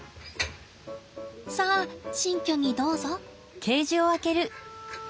さあ新居にどうぞ。